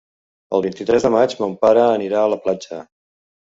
El vint-i-tres de maig mon pare anirà a la platja.